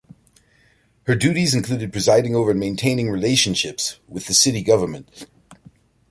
Her duties included presiding over and maintaining relationships with the city government.